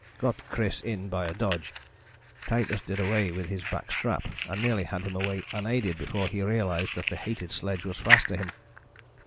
Got Chris in by a dodge. Titus did away with his back strap, and nearly had him away unaided before he realized that the hated sledge was fast to him.